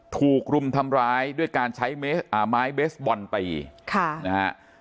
ถูกรุมทำร้ายด้วยการใช้ไม้เบสบอลตีค่ะนะฮะ